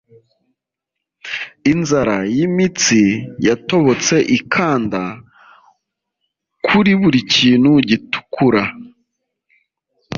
inzara y'imitsi yatobotse ikanda kuri buri kintu gitukura